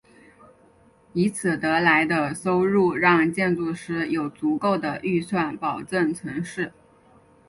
以此得来的收入让建筑师有足够的预算保证成事。